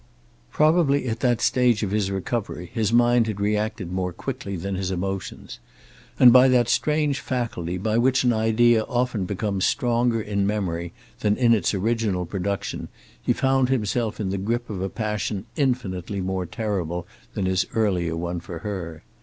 Probably at that stage of his recovery his mind had reacted more quickly than his emotions. And by that strange faculty by which an idea often becomes stronger in memory than in its original production he found himself in the grip of a passion infinitely more terrible than his earlier one for her.